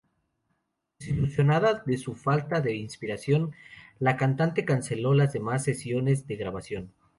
Desilusionada de su falta de inspiración, la cantante canceló las demás sesiones de grabación.